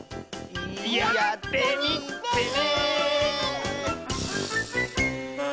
やってみてね！